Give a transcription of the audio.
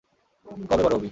কবে বড় হবি?